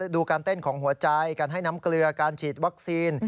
ดูการเต้นของหัวใจการให้น้ำเกลือการฉีดวัคซีน